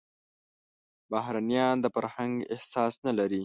بهرنيان د فرهنګ احساس نه لري.